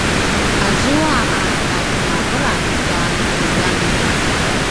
azua a natemavelak tua tigami